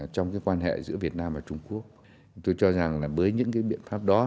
trong quan hệ giữa việt nam và trung quốc tôi cho rằng với những biện pháp đó